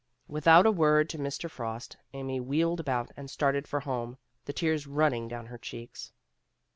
Without a word to Mr. Frost, Amy wheeled about and started for home, the tears running down her cheeks.